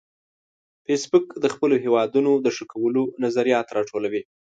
فېسبوک د خپلو هیوادونو د ښه کولو لپاره نظریات راټولوي